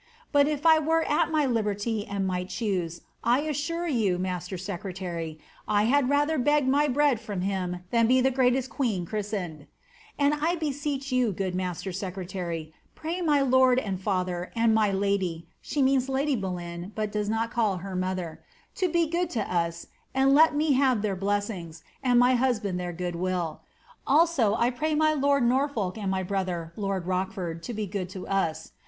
But if I were at my liberty and might choose, I assure you, master secretary, I had rather beg my bread with him than be the greatest queen chrietened, And I beseech yon, good master secretary, pray my lord and father and my lad^ (the means lady BoUfn^ hut the does not call her mother) to be good to us, and let me have their blessings, and my husband their good will. Also, I pray my lord Norfolk and my brother (lord Rochford) to be good to us.